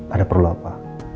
ada perlu apa